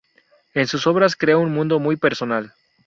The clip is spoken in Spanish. En sus obras crea un mundo muy personal.